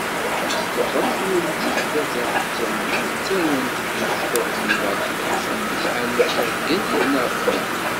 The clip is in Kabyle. Mi sḍefrent wulli zdat n iɛekkzan-nni, ttarwent-d imecṭuḥen iberqacen, yesɛan izaggen, yerna reqmen.